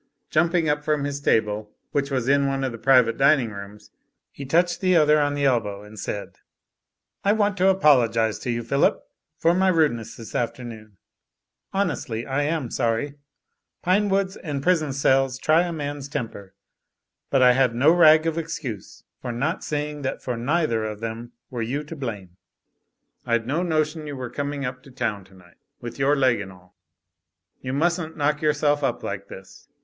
Jumping up from his table, which was in one of the private dining rooms, he touched the other on the elbow and said: '*I want to apologise to you, Phillip, for my rudeness this afternoon. Honestly, I am sorry. Pinewoods and prison cells try a man's temper, but I had no rag of excuse for not seeing that for neither of them were you to blame. I'd no notion you were coming up to town tonight ; with your leg and all. You mustn't knock yourself up like this.